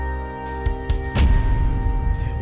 ya udah aku masuk dulu deh